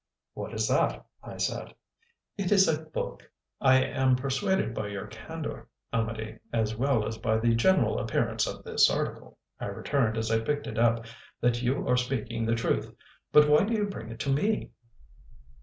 "What is that?" I said. "It is a book." "I am persuaded by your candour, Amedee, as well as by the general appearance of this article," I returned as I picked it up, "that you are speaking the truth. But why do you bring it to me?"